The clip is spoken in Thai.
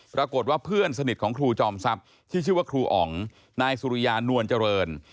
ปรากฏว่าเพื่อนสนิทของครูจอมทรัพย์ที่ชื่อว่าครูอ๋องนายสุริยานวลเจริญ